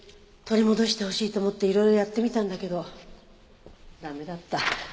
取り戻してほしいと思っていろいろやってみたんだけど駄目だった。